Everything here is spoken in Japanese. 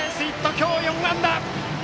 今日４安打、正林！